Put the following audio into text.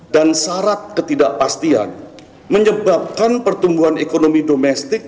dan syarat ketidakpastian menyebabkan pertumbuhan ekonomi domestik